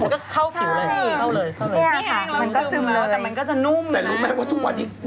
ออกแล้วก็ซึมเลยแต่มันก็จะนุ่มนะ